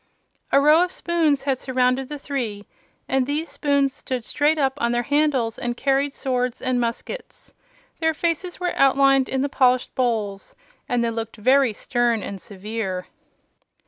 A row of spoons had surrounded the three, and these spoons stood straight up on their handles and carried swords and muskets. Their faces were outlined in the polished bowls and they looked very stern and severe.